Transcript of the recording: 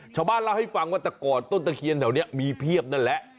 ชาวบ้านเล่าให้ฟังว่าแต่ก่อนต้นตะเคียนแถวนี้มีเพียบนั่นแหละ